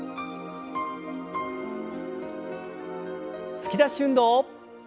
突き出し運動。